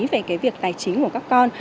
về việc tài chính của các con